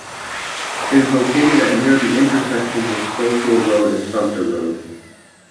It is located at near the intersections of Scofield Road and Sumpter Road.